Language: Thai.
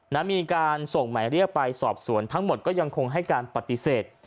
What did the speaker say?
มีการส่งหมายเรียกไปสอบสวนทั้งหมดก็ยังคงให้การปฏิเสธ